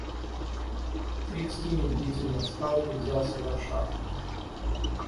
Крицкий медлительно встал и взялся за шапку.